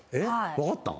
分かった？